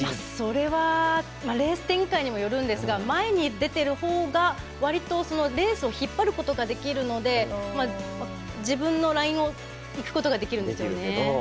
それはレース展開にもよるんですが前に出ているほうが割とレースを引っ張ることができるので自分のラインを引くことができるんですよね。